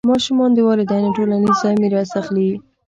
ماشومان د والدینو ټولنیز ځای میراث اخلي.